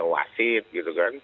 atau wasit gitu kan